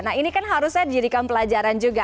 nah ini kan harusnya dijadikan pelajaran juga